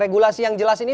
regulasi yang jelas ini